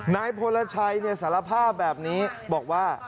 นายพลชัยสารภาพแบบนี้บอกว่า